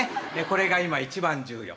これが今一番重要。